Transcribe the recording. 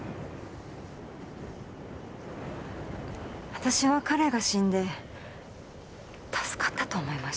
私は彼が死んで助かったと思いました。